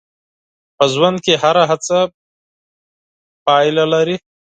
په ژوند کې هره هڅه پایله لري.